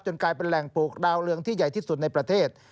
กลายเป็นแหล่งปลูกดาวเรืองที่ใหญ่ที่สุดในประเทศ